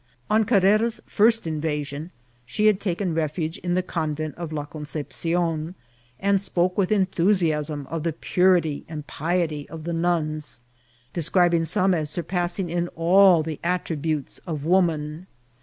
On Carrera's first invasion she had taken' refuge in the convent of La Concepcion, and spoke with enthusiasm of the purity and piety of the nuns, describing some as surpassing in all the attributes of woman.